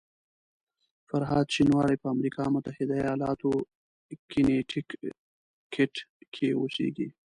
فرهاد شینواری په امریکا متحده ایالاتو کنیټیکټ کې اوسېږي.